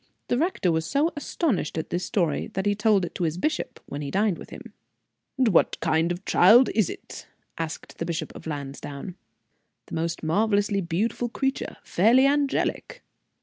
The rector was so astonished at this story that he told it to his bishop when he dined with him. "And what kind of a child is it?" asked the Bishop of Lansdown. "The most marvelously beautiful creature; fairly angelic."